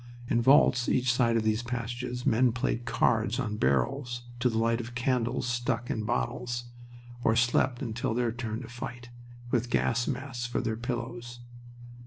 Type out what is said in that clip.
In vaults each side of these passages men played cards on barrels, to the light of candles stuck in bottles, or slept until their turn to fight, with gas masks for their pillows.